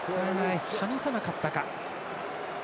離さなかったか。